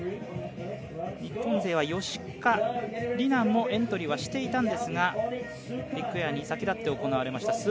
日本勢は芳家里菜もエントリーはしていたんですがビッグエアに先立って行われました